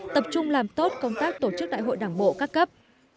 tập trung làm tốt công tác tổ chức đại hội đảng bộ các cấp